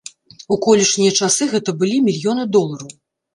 У колішнія часы гэта былі мільёны долараў.